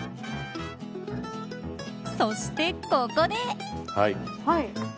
そして、ここで。